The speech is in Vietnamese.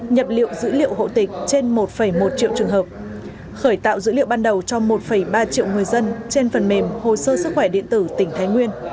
nhập liệu dữ liệu hộ tịch trên một một triệu trường hợp khởi tạo dữ liệu ban đầu cho một ba triệu người dân trên phần mềm hồ sơ sức khỏe điện tử tỉnh thái nguyên